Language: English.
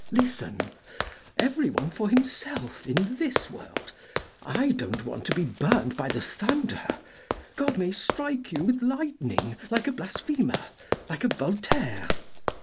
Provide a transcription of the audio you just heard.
" Listen ! Everyone for himself in this world. I don't want to be burned by the thunder. God may strike you with lightning like a blasphemer, like a Voltaire."